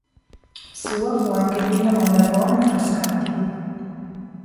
Sua fu anche Villa Mondragone a Frascati.